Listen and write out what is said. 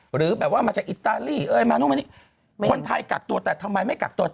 หรือแบบว่ามาจากอิตาลีคนไทยกักตัวแต่ทำไมไม่กักตัว